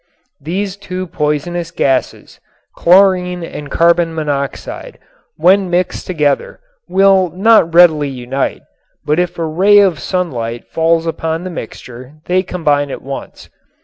These two poisonous gases, chlorine and carbon monoxide, when mixed together, will not readily unite, but if a ray of sunlight falls upon the mixture they combine at once.